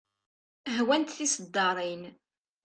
Hwant tiseddaṛin.